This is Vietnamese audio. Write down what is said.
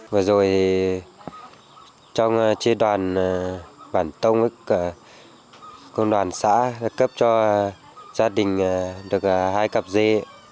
vừa rồi trong chế đoàn bản tông công đoàn xã đã cấp cho gia đình được hai cặp dê